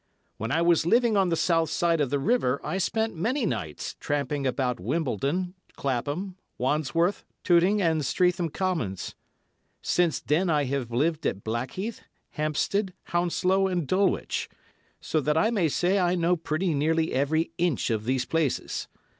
When I was living on the south side of the river, I spent many nights tramping about Wimbledon, Clapham, Wandsworth, Tooting and Streatham Commons. Since then I have lived at Blackheath, Hampstead, Hounslow and Dulwich, so that I may say I know pretty nearly every inch of these places.